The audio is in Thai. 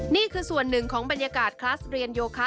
นี่คือส่วนหนึ่งของบรรยากาศคลาสเรียนโยคะ